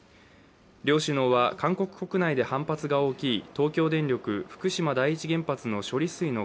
両首脳は韓国国内で反発が大きい東京電力福島第一原発の処理水の